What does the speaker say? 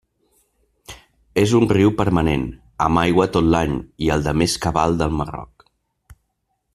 És un riu permanent, amb aigua tot l'any, i el de més cabal del Marroc.